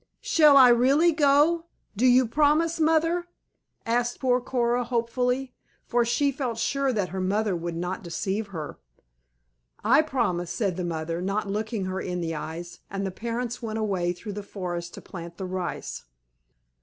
"Shall I really go? Do you promise, Mother?" asked poor Coora hopefully, for she felt sure that her mother would not deceive her. "I promise," said the mother, not looking her in the eyes; and the parents went away through the forest to plant the rice.